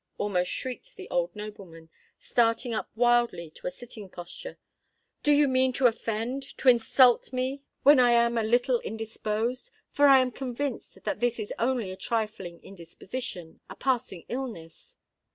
almost shrieked the old nobleman, starting up wildly to a sitting posture: "do you mean to offend—to insult me when I am a little indisposed? For I am convinced that this is only a trifling indisposition—a passing illness."